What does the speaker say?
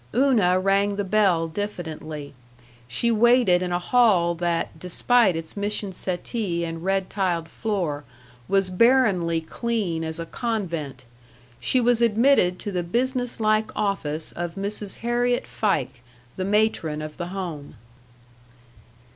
Una rang the bell diffidently. She waited in a hall that, despite its mission settee and red tiled floor, was barrenly clean as a convent. She was admitted to the business like office of Mrs. Harriet Fike, the matron of the Home.